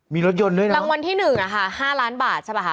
มีรถยนต์ด้วยนะรางวัลที่๑อ่ะค่ะ๕ล้านบาทใช่ป่ะคะ